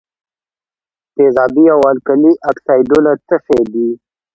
تیزابي او القلي اکسایدونه څه شی دي؟